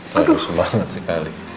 terus banget sekali